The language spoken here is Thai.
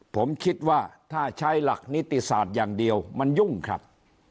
ผมคิดว่าถ้าใช้หลักนิติศาสตร์อย่างเดียวมันยุ่งครับ